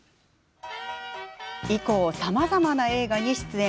以降、さまざまな映画に出演。